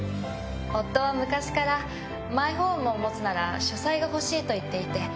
夫は昔からマイホームを持つなら書斎が欲しいと言っていて。